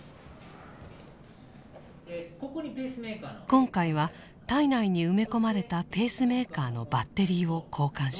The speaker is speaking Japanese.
今回は体内に埋め込まれたペースメーカーのバッテリーを交換しました。